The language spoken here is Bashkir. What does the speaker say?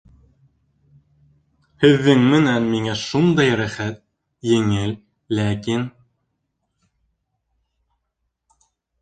Һеҙҙең менән миңә шундай рәхәт, еңел, ләкин...